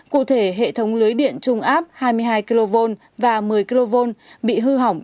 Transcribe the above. cụ thể hệ thống lưới điện trung áp hai mươi hai kv và một mươi kv bị hư hỏng